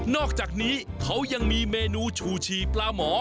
อกจากนี้เขายังมีเมนูชูชีปลาหมอ